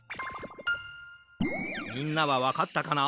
みんなはわかったかな？